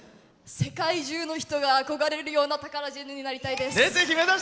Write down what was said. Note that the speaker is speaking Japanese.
世界中の人が憧れるようなタカラジェンヌになりたいです。